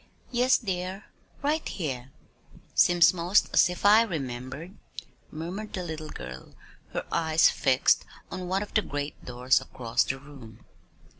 "Yes, dear right here." "Seems 'most as if I remembered," murmured the little girl, her eyes fixed on one of the great doors across the room.